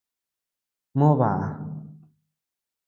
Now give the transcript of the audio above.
Moo baʼa.